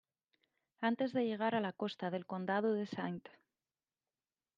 Antes de llegar a la costa del condado de St.